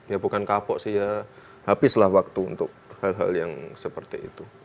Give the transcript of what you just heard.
ya bukan kapok sih ya habislah waktu untuk hal hal yang seperti itu